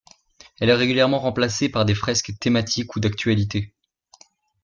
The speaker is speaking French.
Elle est régulièrement remplacée par des fresques thématiques ou d'actualité.